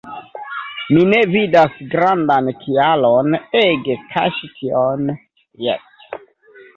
Mi ne vidas grandan kialon ege kaŝi tion – jes.